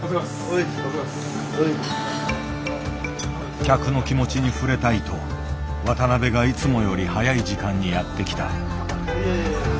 客の気持ちに触れたいと渡辺がいつもより早い時間にやって来た。